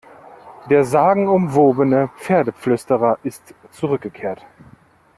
Der sagenumwobene Pferdeflüsterer ist zurückgekehrt!